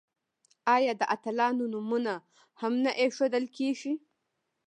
آیا د اتلانو نومونه هم نه ایښودل کیږي؟